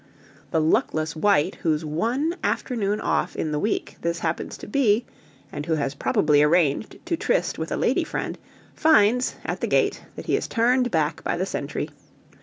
The luckless wight whose one afternoon off in the week this happens to be, and who has probably arranged to tryst with a lady friend, finds, at the gate, that he is turned back by the sentry.